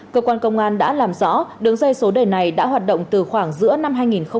cơ quan công an đã làm rõ đường dây số đề này đã hoạt động từ khoảng giữa năm hai nghìn một mươi tám